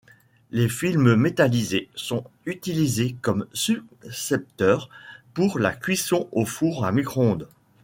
Les films métallisés sont utilisés comme suscepteurs pour la cuisson au four à micro-ondes.